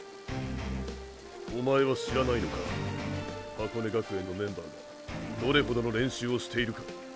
おまえは知らないのか箱根学園のメンバーがどれほどの練習をしているか。